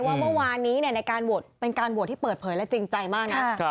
ว่าเมื่อวานนี้ในการโหวตเป็นการโหวตที่เปิดเผยและจริงใจมากนะ